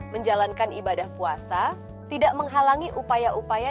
menjalankan ibadah puasa tidak menghalangi upaya upaya